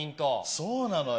そうなのよ。